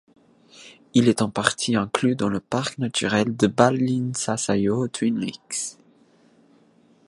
Il est en partie inclus dans le parc naturel de Balinsasayao Twin Lakes.